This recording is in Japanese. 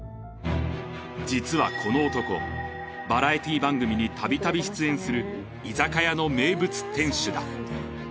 実はこの男、バラエティー番組にたびたび出演する居酒屋の名物店主だ。